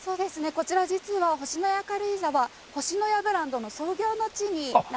こちら実は星のや軽井沢星のやブランドの創業の地になります。